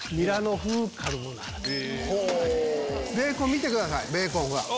見てくださいベーコン。